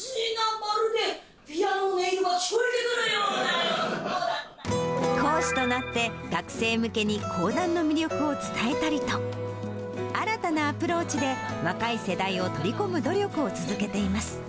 まるで、ピアノの音色が聴こえてくるよう講師となって学生向けに講談の魅力を伝えたりと、新たなアプローチで、若い世代を取り込む努力を続けています。